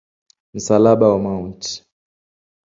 Msalaba wa Mt.